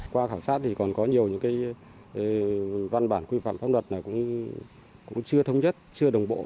qua khảo sát thì còn có nhiều văn bản quy phạm pháp luật này cũng chưa thông nhất chưa đồng bộ